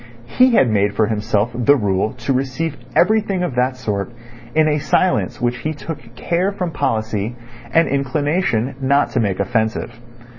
He had made for himself the rule to receive everything of that sort in a silence which he took care from policy and inclination not to make offensive.